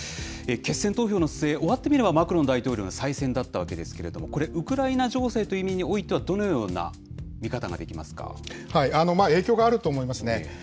決選投票の末、終わってみれば、マクロン大統領の再選だったわけですけれども、これ、ウクライナ情勢という意味においては、どのような見方ができます影響があると思いますね。